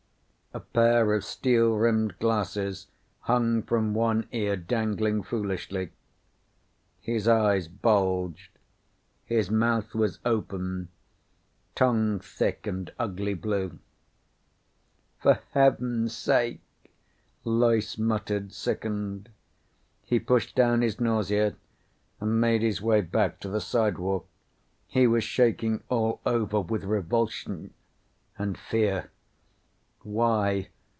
A pair of steel rimmed glasses hung from one ear, dangling foolishly. His eyes bulged. His mouth was open, tongue thick and ugly blue. "For Heaven's sake," Loyce muttered, sickened. He pushed down his nausea and made his way back to the sidewalk. He was shaking all over, with revulsion and fear. _Why?